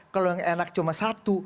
kalau yang enak cuma satu